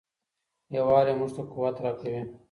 یووالی موږ ته قوت راکوي.